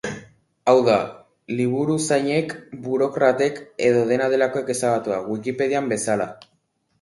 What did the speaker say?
Hau da, liburuzainek, burokratek edo dena delakoek ezabatua, Wikipedian bezala?